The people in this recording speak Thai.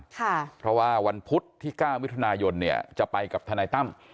ค่ะเพราะว่าวันพุธที่๙วิทยานายนเนี่ยจะไปกับธนัยตั้ม